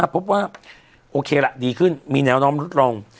พบว่าโอเคล่ะดีขึ้นมีแนวน้องรุดรอง